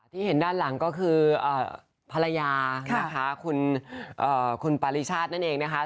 เห็นด้านหลังก็คือภรรยานะคะคุณปาริชาตินั่นเองนะคะ